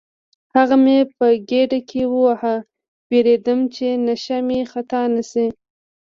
هغه مې په ګېډه کې وواهه، وېرېدم چې نښه مې خطا نه شي.